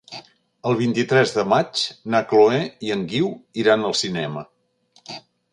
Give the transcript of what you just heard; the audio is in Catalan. El vint-i-tres de maig na Chloé i en Guiu iran al cinema.